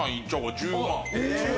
１０万！